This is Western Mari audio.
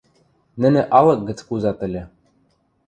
Нӹнӹ алык гӹц кузат ыльы.